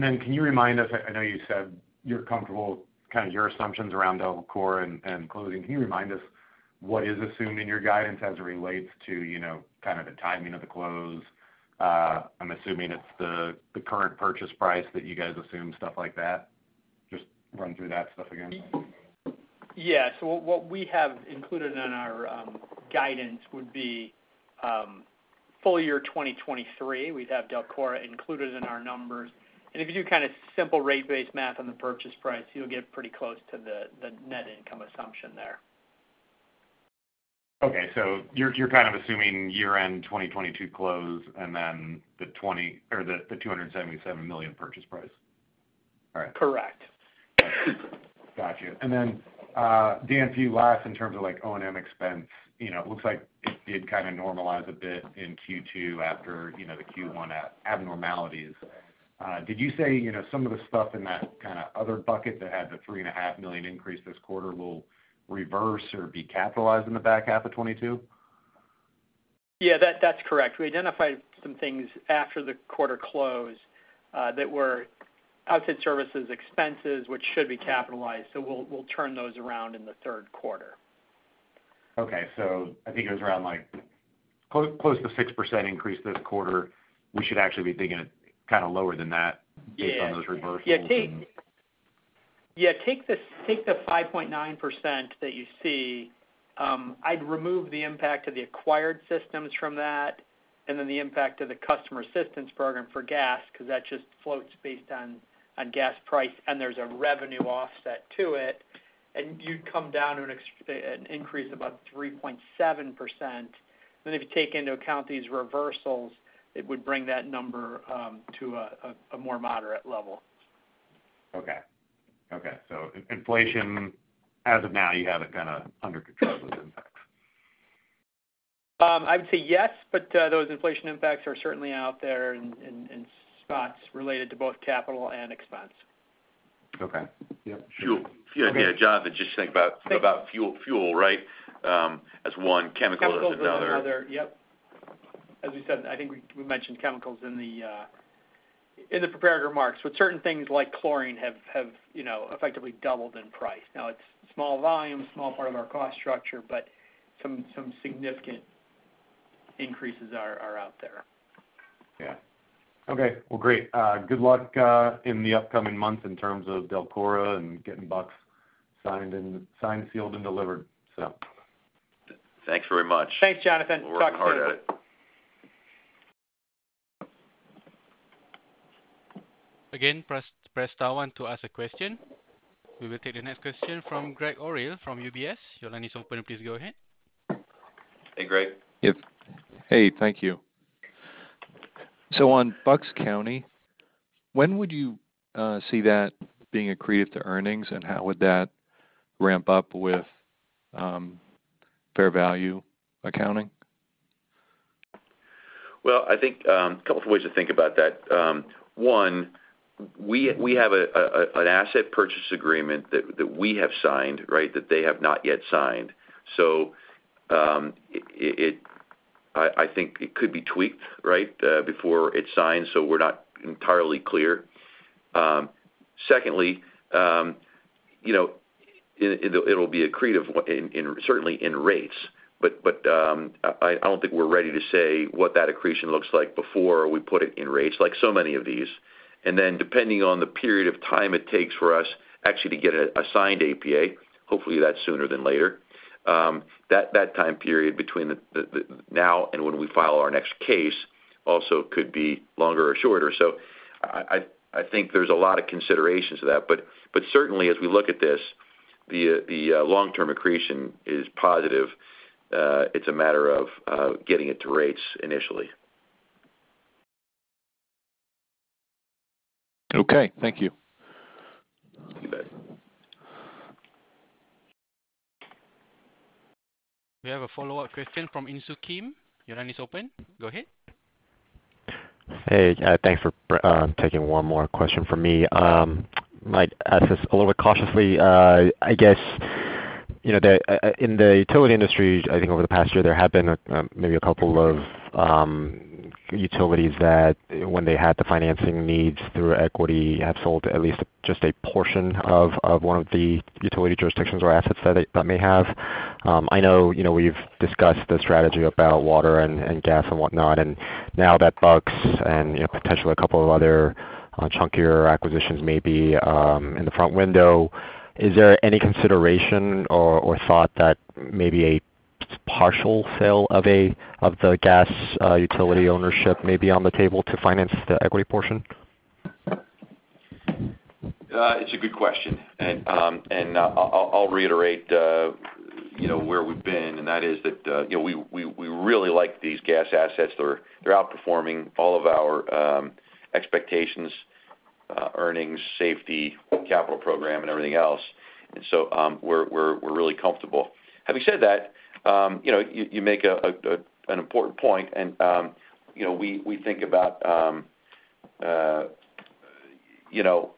Can you remind us, I know you said you're comfortable kind of your assumptions around DELCORA and closing. Can you remind us what is assumed in your guidance as it relates to, you know, kind of the timing of the close? I'm assuming it's the current purchase price that you guys assume, stuff like that. Just run through that stuff again. What we have included in our guidance would be full year 2023. We'd have DELCORA included in our numbers. If you do kind of simple rate-based math on the purchase price, you'll get pretty close to the net income assumption there. Okay. You're kind of assuming year-end 2022 close, and then the $277 million purchase price. All right. Correct. Got you. Dan, for you last in terms of like O&M expense. You know, it looks like it did kind of normalize a bit in Q2 after, you know, the Q1 abnormalities. Did you say, you know, some of the stuff in that kind of other bucket that had the $3.5 million increase this quarter will reverse or be capitalized in the back half of 2022? Yeah, that's correct. We identified some things after the quarter close that were outside services expenses, which should be capitalized. We'll turn those around in the third quarter. Okay. I think it was around like close to 6% increase this quarter. We should actually be thinking kind of lower than that. Yeah. based on those reversals and. Take the 5.9% that you see. I'd remove the impact of the acquired systems from that, and then the impact of the customer assistance program for gas because that just floats based on gas price, and there's a revenue offset to it. You'd come down to an increase of about 3.7%. If you take into account these reversals, it would bring that number to a more moderate level. Inflation, as of now, you have it kind of under control with impacts. I would say yes, but those inflation impacts are certainly out there in spots related to both capital and expense. Okay. Yep. Fuel. Yeah, Jonathan, just think about fuel, right? As one chemical is another. Chemicals are another. Yep. As we said, I think we mentioned chemicals in the prepared remarks, with certain things like chlorine have you know effectively doubled in price. Now, it's small volume, small part of our cost structure, but some significant increases are out there. Yeah. Okay. Well, great. Good luck in the upcoming months in terms of DELCORA and getting Bucks signed, sealed and delivered. Thanks very much. Thanks, Jonathan. Talk soon. We're working hard at it. Again, press star one to ask a question. We will take the next question from Gregg Orrill from UBS. Your line is open. Please go ahead. Hey, Greg. Yep. Hey, thank you. On Bucks County, when would you see that being accretive to earnings, and how would that ramp up with fair value accounting? Well, I think a couple of ways to think about that. One, we have an asset purchase agreement that we have signed, right, that they have not yet signed. I think it could be tweaked, right, before it's signed, so we're not entirely clear. Secondly, you know, it'll be accretive, certainly in rates. I don't think we're ready to say what that accretion looks like before we put it in rates, like so many of these. Then depending on the period of time it takes for us actually to get a signed APA, hopefully that's sooner than later, that time period between the now and when we file our next case also could be longer or shorter. I think there's a lot of considerations to that. Certainly as we look at this, the long-term accretion is positive. It's a matter of getting it to rates initially. Okay, thank you. We have a follow-up question from Insoo Kim. Your line is open. Go ahead. Hey, thanks for taking one more question from me. Might ask this a little bit cautiously. I guess, you know, then in the utility industry, I think over the past year, there have been, maybe a couple of utilities that when they had the financing needs through equity have sold at least just a portion of one of the utility jurisdictions or assets that they may have. I know, you know, we've discussed the strategy about water and gas and whatnot, and now that Bucks and, you know, potentially a couple of other chunkier acquisitions may be in the front window. Is there any consideration or thought that maybe a partial sale of the gas utility ownership may be on the table to finance the equity portion? It's a good question. I'll reiterate you know, where we've been, and that is that, you know, we really like these gas assets. They're outperforming all of our expectations, earnings, safety, capital program, and everything else. We're really comfortable. Having said that, you know, you make an important point and, you know, we think about, you know,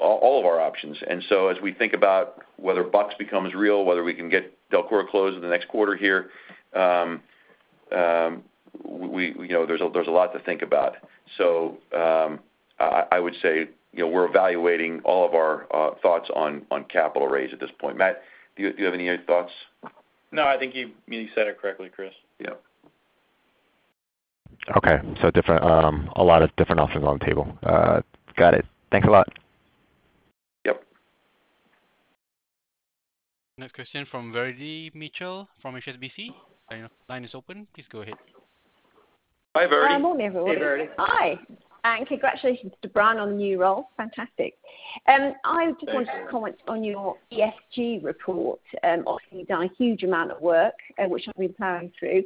all of our options. As we think about whether Bucks becomes real, whether we can get DELCORA closed in the next quarter here, you know, there's a lot to think about. I would say, you know, we're evaluating all of our thoughts on capital raise at this point. Matt, do you have any other thoughts? No, I think you said it correctly, Chris. Yeah. Okay. Different, a lot of different options on the table. Got it. Thanks a lot. Yep. Next question from Verity Mitchell from HSBC. Your line is open. Please go ahead. Hi, Verity. Hi, morning everyone. Hey, Verity. Hi, congratulations to Brian on the new role. Fantastic. I just wanted. Thank you. To comment on your ESG report. Obviously you've done a huge amount of work, which I've been plowing through.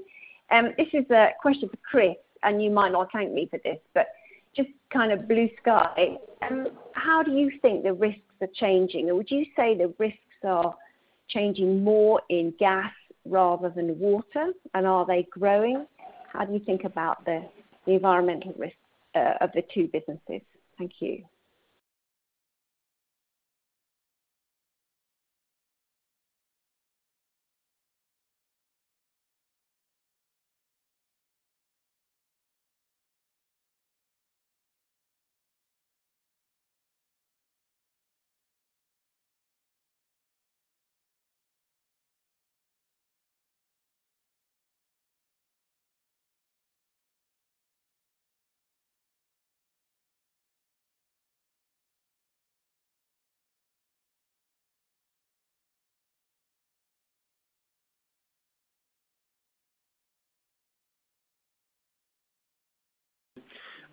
This is a question for Chris, and you might not thank me for this, but just kind of blue sky. How do you think the risks are changing? Or would you say the risks are changing more in gas rather than water? And are they growing? How do you think about the environmental risk of the two businesses? Thank you.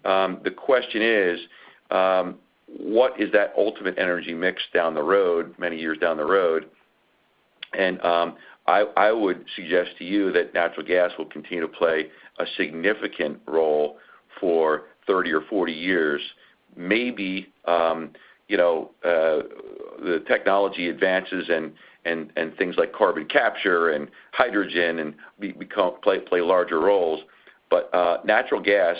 The question is, what is that ultimate energy mix down the road, many years down the road? I would suggest to you that natural gas will continue to play a significant role for 30 or 40 years. Maybe, you know, the technology advances and things like carbon capture and hydrogen and play larger roles. Natural gas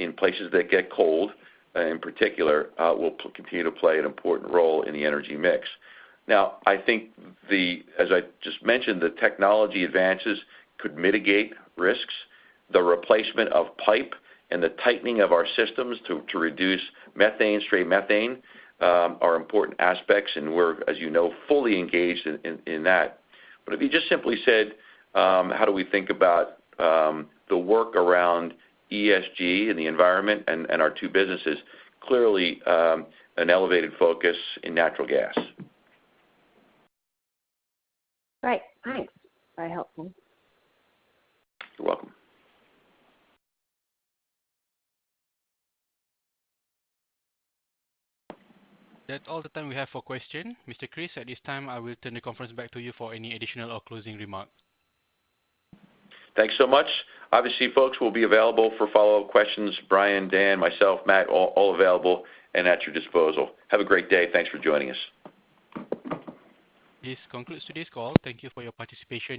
in places that get cold, in particular, will continue to play an important role in the energy mix. I think as I just mentioned, the technology advances could mitigate risks. The replacement of pipe and the tightening of our systems to reduce methane, stray methane, are important aspects and we're, as you know, fully engaged in that. If you just simply said how do we think about the work around ESG and the environment and our two businesses, clearly an elevated focus in natural gas. Great. Thanks. Very helpful. You're welcome. That's all the time we have for questions. Mr. Chris Franklin, at this time, I will turn the conference back to you for any additional or closing remarks. Thanks so much. Obviously, folks, we'll be available for follow-up questions. Brian, Dan, myself, Matt, all available and at your disposal. Have a great day. Thanks for joining us. This concludes today's call. Thank you for your participation.